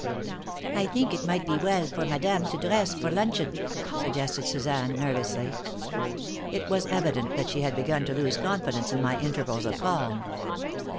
"I think it might be well for madame to dress for luncheon," suggested Suzanne, nervously. It was evident that she had begun to lose confidence in my intervals of calm.